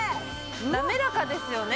滑らかですよね